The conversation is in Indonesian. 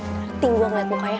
ih ngerti gue ngeliat mukanya